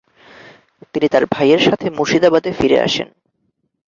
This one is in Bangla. তিনি তার ভাইয়ের সাথে মুর্শিদাবাদে ফিরে আসেন।